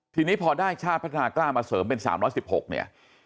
ทีนี้พอได้ชาติพัฒนากล้ามาเสริมเป็น๓๑๖เนี่ย